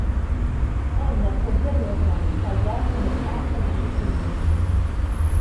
Għandna problemi oħrajn bħal dawk ta' nuqqas ta' dixxilpina.